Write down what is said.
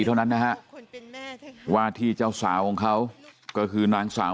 เท่านั้นนะฮะว่าที่เจ้าสาวของเขาก็คือนางสาว